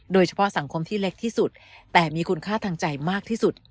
โดยเฉพาะสังคมที่เล็กที่สุดแต่มีคุณค่าทางใจมากที่สุด